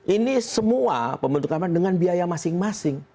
ini semua pembentukan dengan biaya masing masing